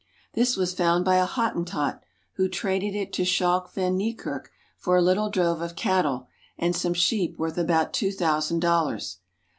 This was found by a Hottentot, who traded it mto Schalk van Niekerk for a little drove of cattle and some rsheep worth about two thousand dollars.